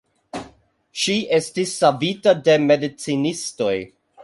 Ŝi estis savita de medicinistoj.